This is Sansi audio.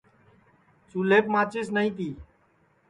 چولھیپ ماچِس نائی تی